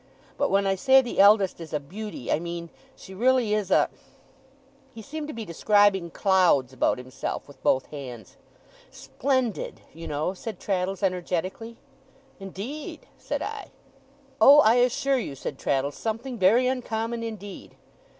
But when I say the eldest is a Beauty, I mean she really is a ' he seemed to be describing clouds about himself, with both hands: 'Splendid, you know,' said Traddles, energetically. 'Indeed!' said I. 'Oh, I assure you,' said Traddles, 'something very uncommon, indeed!